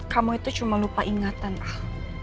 kamu itu cuma lupa ingatan ah